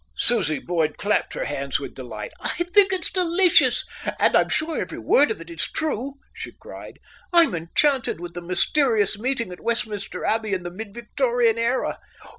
Susie Boyd clapped her hands with delight. "I think it's delicious, and I'm sure every word of it is true," she cried. "I'm enchanted with the mysterious meeting at Westminster Abbey in the Mid Victorian era.